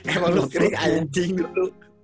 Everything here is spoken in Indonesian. emang lu kering anjing dulu